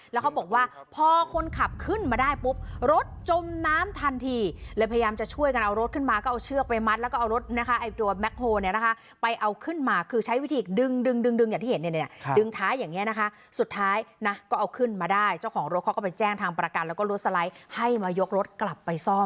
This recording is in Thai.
แล้วเขาบอกว่าพอคนขับขึ้นมาได้ปุ๊บรถจมน้ำทันทีเลยพยายามจะช่วยกันเอารถขึ้นมาก็เอาเชือกไปมัดแล้วก็เอารถนะคะไอ้ตัวแบ็คโฮเนี่ยนะคะไปเอาขึ้นมาคือใช้วิธีดึงดึงดึงอย่างที่เห็นเนี่ยดึงท้ายอย่างนี้นะคะสุดท้ายนะก็เอาขึ้นมาได้เจ้าของรถเขาก็ไปแจ้งทางประกันแล้วก็รถสไลด์ให้มายกรถกลับไปซ่อม